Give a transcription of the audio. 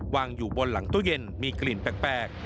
วางอยู่บนหลังตู้เย็นมีกลิ่นแปลก